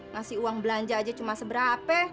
ngasih uang belanja aja cuma seberapa